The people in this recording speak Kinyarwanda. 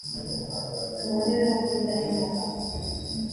tubonereho kuba indahemuka